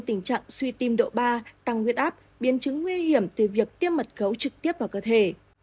tình trạng suy tim độ ba tăng huyết áp biến chứng nguy hiểm từ việc tiêm mật gấu trực tiếp vào cơ thể